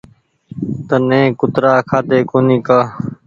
تني ڪترآ کآۮي ڪونيٚ ڪآ